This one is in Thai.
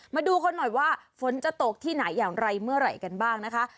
มาดูเขาหน่อยว่าฝนจะตกที่ไหนอย่างไรเมื่อไหร่กันบ้างนะคะ